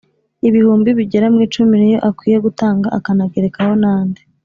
Ibihumbi bigera mu icumi niyo akwiriye gutanga akanagerekaho n’andi